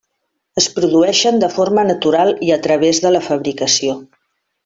Es produeixen de forma natural i a través de la fabricació.